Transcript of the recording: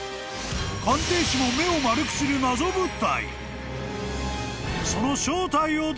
［鑑定士も目を丸くする謎物体］